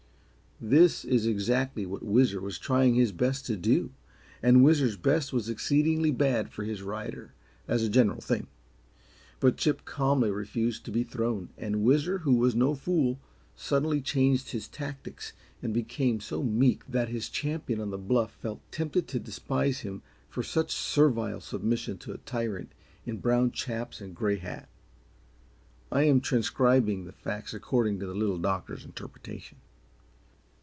This is exactly what Whizzer was trying his best to do, and Whizzer's best was exceedingly bad for his rider, as a general thing. But Chip calmly refused to be thrown, and Whizzer, who was no fool, suddenly changed his tactics and became so meek that his champion on the bluff felt tempted to despise him for such servile submission to a tyrant in brown chaps and gray hat I am transcribing the facts according to the Little Doctor's interpretation.